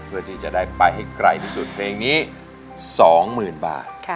เพื่อที่จะได้ไปให้ไกลที่สุดเพลงนี้๒๐๐๐บาท